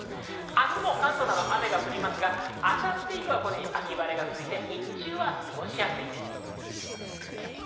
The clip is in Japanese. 明日は関東などで雨が降りますが、明後日以降は秋晴れが続き、日中は過ごしやすいです。